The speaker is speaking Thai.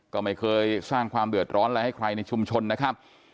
ก็ไม่เคยสร้างความเดือดร้อนอะไรให้ใครในชุมชนนะครับ